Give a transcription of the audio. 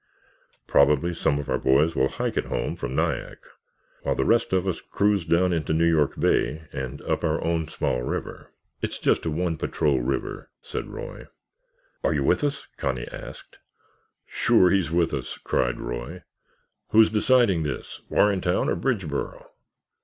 Probably some of our boys will hike it home from Nyack while the rest of us cruise down into New York Bay and up our own small river." "It's just a one patrol river," said Roy. "Are you with us?" Connie asked. "Sure, he's with us!" cried Roy. "Who's deciding this, Warrentown or Bridgeboro?